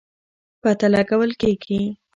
پته لګول کېږي.